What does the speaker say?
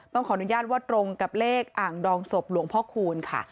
ขออนุญาตว่าตรงกับเลขอ่างดองศพหลวงพ่อคูณค่ะ